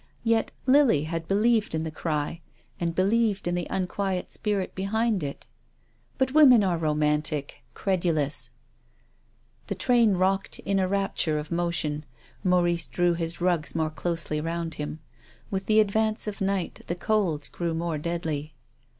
Yet Lily had believed in the cry and believed in the unquiet spirit behind it. But women are romantic, credu lous — The train rocked in a rapture of motion. Maurice drew his rugs more closely round him. With the advance of night the cold grew more deadly.